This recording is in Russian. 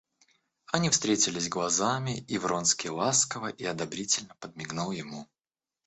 Они встретились глазами, и Вронский ласково и одобрительно подмигнул ему.